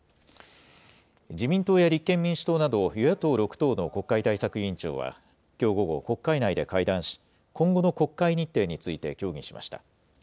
自民党や立憲民主党など与野党６党の国会対策委員長は、きょう午後、国会内で会談し、今後の国会日程について協議しました。